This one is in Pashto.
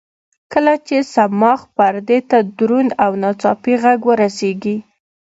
کله چې صماخ پردې ته دروند او ناڅاپي غږ ورسېږي.